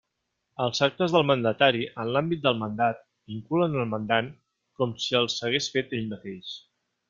Els actes del mandatari, en l'àmbit del mandat, vinculen el mandant com si els hagués fet ell mateix.